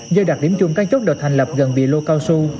do đạt điểm chung các chốt đột thành lập gần vị lô cao su